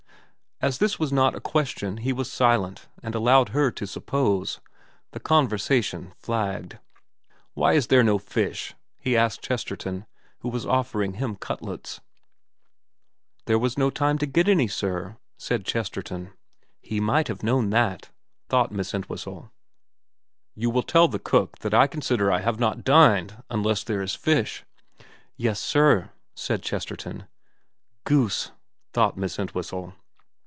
As this was not a question he was silent, and allowed her to suppose. The conversation flagged. 4 Why is there no fish ?' he asked Chesterton, who was offering him cutlets. XXX VEKA 345 * There was no time to get any, sir,' said Chesterton. * He might have known that,' thought Miss Entwhistle. ' You will tell the cook that I consider I have not dined unless there is fish.' * Yes sir,' said Chesterton. ' Goose,' thought Miss Entwhistle.